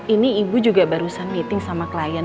ini ibu juga barusan meeting sama klien